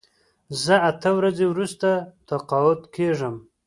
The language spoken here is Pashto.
زه اته ورځې وروسته تقاعد کېږم.